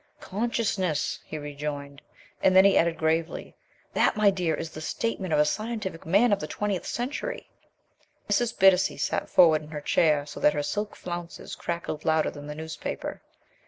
"Consciousness," he rejoined. And then he added gravely: "That, my dear, is the statement of a scientific man of the Twentieth Century." Mrs. Bittacy sat forward in her chair so that her silk flounces crackled louder than the newspaper.